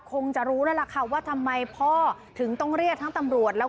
คงจะรู้แล้วล่ะค่ะว่าทำไมพ่อถึงต้องเรียกทั้งตำรวจแล้วก็